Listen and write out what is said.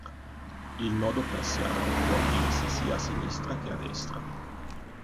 Il nodo persiano può aprirsi sia a sinistra che a destra.